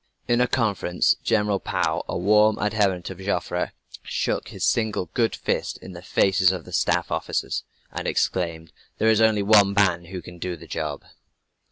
In a conference General Pau, a warm adherent of Joffre, shook his single good fist in the faces of the Staff officers, and exclaimed: "There is only one man who can do the job!"